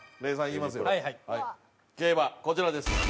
こちらです。